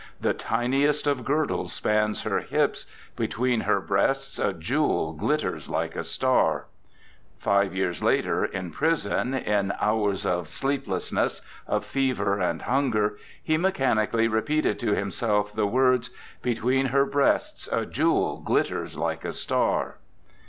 The tiniest of girdles spans her hips; between her breasts a jewel glitters like a star. ..." Five years later, in prison, in hours of sleep '7 RECOLLECTIONS OF OSCAR WILDE lessness, of fever and hunger, he mechanically repeated to himself the words: "Between her breasts a jewel glitters like a star."